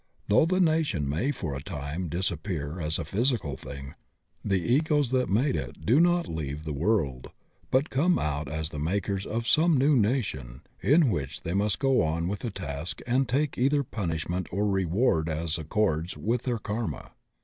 Though the nation may for a time disappear as a physical thing, the Egos that made it do not leave the world, but come out as the makers of some new na tion in which they must go on with the task and take either punishment or reward as accords with their karma.